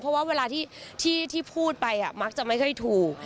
เพราะว่าเวลาที่พูดไปมักจะไม่ค่อยถูก